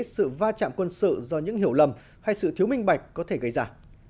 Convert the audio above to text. sự va chạm quân sự do những hiểu lầm hay sự thiếu minh bạch có thể gây ra